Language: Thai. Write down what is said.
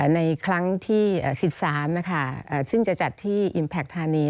ในครั้งที่๑๓นะคะซึ่งจะจัดที่อิมแพคธานี